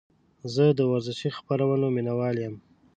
زه د ورزشي خپرونو مینهوال یم.